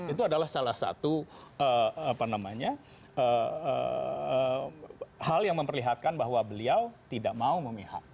itu adalah salah satu hal yang memperlihatkan bahwa beliau tidak mau memihak